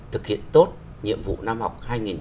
thực hiện tốt nhiệm vụ năm học